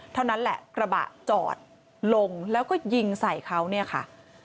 เท่านั้นแหละกระบะจอดลงแล้วก็ยิงใส่เขาเนี่ยค่ะ